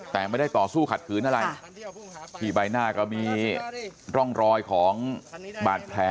แต่ไม่ได้ต่อสู้ขัดขืนอะไรที่ใบหน้าก็มีร่องรอยของบาดแผล